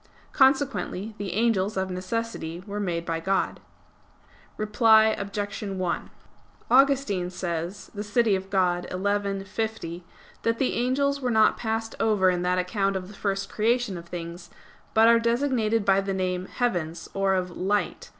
Consequently the angels, of necessity, were made by God. Reply Obj. 1: Augustine says (De Civ. Dei xi, 50) that the angels were not passed over in that account of the first creation of things, but are designated by the name "heavens" or of "light."